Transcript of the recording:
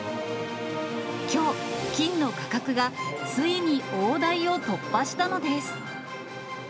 きょう、金の価格がついに大台を突破したのです。